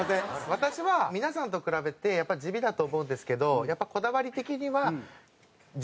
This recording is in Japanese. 私は皆さんと比べてやっぱ地味だと思うんですけどこだわり的には地毛でやるっていう。